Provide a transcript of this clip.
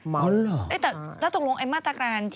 มัวหรือเปล่าแล้วตรงรวมไอ้มาตากราณที่